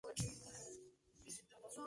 Perteneció al colegio de pontífices de Roma.